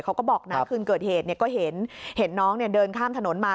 เขาก็บอกนะคืนเกิดเหตุก็เห็นน้องเดินข้ามถนนมา